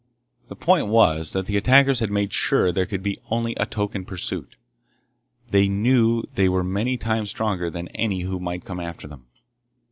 The point was that the attackers had made sure there could be only a token pursuit. They knew they were many times stronger than any who might come after them.